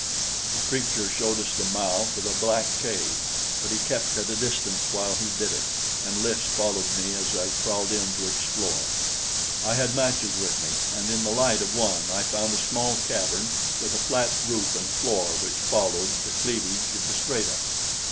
The creature showed us the mouth of a black cave, but he kept at a distance while he did it, and Lys followed me as I crawled in to explore. I had matches with me, and in the light of one I found a small cavern with a flat roof and floor which followed the cleavage of the strata.